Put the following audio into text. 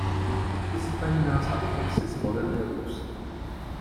Vyzývají nás, abychom si zvolili růst.